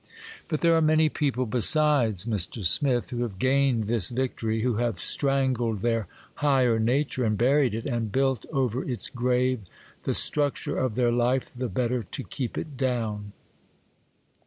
But there are many people besides Mr. Smith who have gained this victory,—who have strangled their higher nature and buried it, and built over its grave the structure of their life, the better to keep it down.